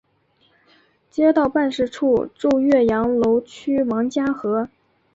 街道办事处驻岳阳楼区王家河。